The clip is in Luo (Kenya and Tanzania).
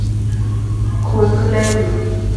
Kung lewi.